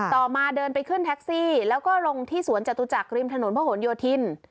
มาเดินไปขึ้นแท็กซี่แล้วก็ลงที่สวนจตุจักรริมถนนพระหลโยธิน